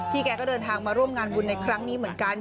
แกก็เดินทางมาร่วมงานบุญในครั้งนี้เหมือนกัน